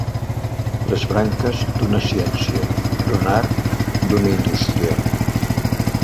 Les branques d'una ciència, d'un art, d'una indústria.